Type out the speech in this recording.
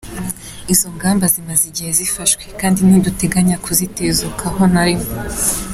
Izo ngamba zimaze igihe zifashwe, kandi ntiduteganya kuzitezukaho na rimwe.